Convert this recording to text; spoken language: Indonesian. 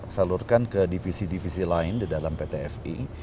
salurkan ke divisi divisi lain di dalam pt fi